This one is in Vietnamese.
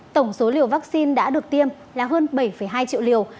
tổng số liều vaccine đã được tiêm là hơn bảy hai triệu liều